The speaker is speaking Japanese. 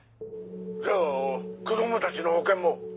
じゃあ子供たちの保険も？